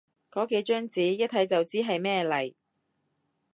個幾張紙，一睇就知係咩嚟